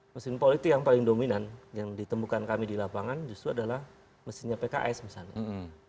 mesin politik yang paling dominan yang ditemukan kami di lapangan justru adalah mesinnya pks misalnya